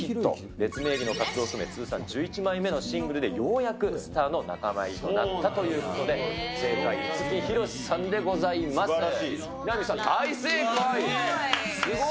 別名義の活動を含め、通算１１枚目のシングルでようやくスターの仲間入りとなったということで、正解、五木ひろしさんでございますばらしい。